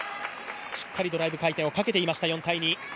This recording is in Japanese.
しっかりドライブ回転をかけていました。